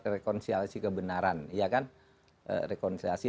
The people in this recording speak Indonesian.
rekonsiliasi kebenaran iya kan rekonsiliasi